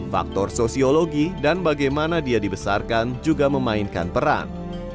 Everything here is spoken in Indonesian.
faktor sosiologi dan bagaimana dia dibesarkan juga memainkan peran